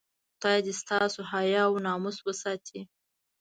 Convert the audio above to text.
خدای دې ستاسو حیا او ناموس وساتي.